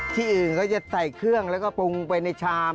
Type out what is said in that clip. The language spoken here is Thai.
ที่อื่นก็จะใส่เครื่องแล้วก็ปรุงไปในชาม